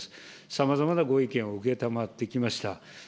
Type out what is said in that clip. さまざまなご意見を承ってきました。